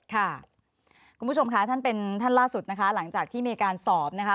คุณผู้ชมค่ะท่านเป็นท่านล่าสุดนะคะหลังจากที่มีการสอบนะคะ